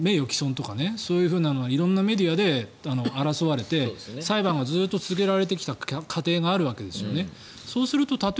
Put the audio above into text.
メディアも今まで名誉毀損とかそういう色んなメディアで争われて裁判がずっと続けられてきた過程があるわけですね。